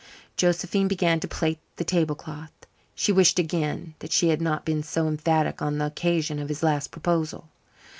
Josephine began to plait the tablecloth. She wished again that she had not been so emphatic on the occasion of his last proposal.